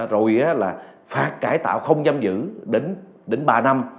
rồi là phạt cải tạo không giam giữ đến ba năm